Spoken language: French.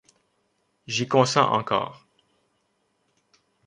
J’y consens encore.